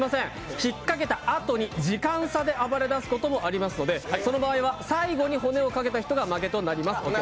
引っ掛けたあとに時間差で暴れ出すこともありますので、その場合は最後に骨をかけた人が負けとなります。